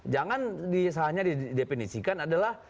jangan disahanya didefinisikan adalah